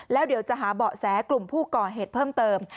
แล้วเดี๋ยวจะหาเบาะแสกลุ่มผู้ก่อเหตุเพิ่มเติม